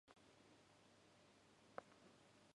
五月雨をあつめてやばしドナウ川